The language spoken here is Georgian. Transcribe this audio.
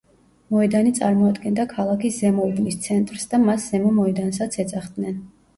მოედანი წარმოადგენდა ქალაქის ზემო უბნის ცენტრს და მას ზემო მოედანსაც ეძახდნენ.